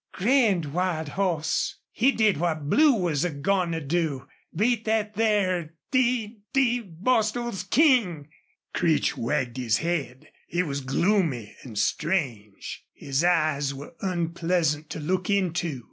"Grand wild hoss! He did what Blue was a goin' to do beat thet there d d Bostil's King!" Creech wagged his head. He was gloomy and strange. His eyes were unpleasant to look into.